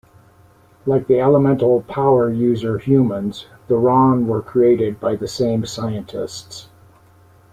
Like the elemental power user humans, the Ron were created by the same scientists.